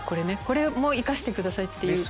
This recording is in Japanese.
これも生かしてくださいって。